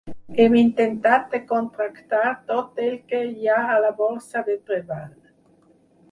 Hem intentat de contractar tot el que hi ha a la borsa de treball.